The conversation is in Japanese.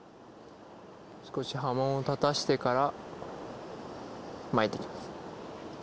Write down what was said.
少し波紋を立たしてから巻いていきます